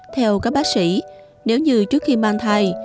theo các bác sĩ nếu như trước khi mang thai